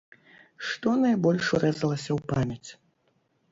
Што найбольш урэзалася ў памяць?